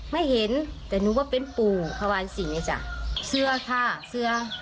ไม่เห็นแต่หนูว่าเป็นปู่ความเชื่อค่ะเชื่อ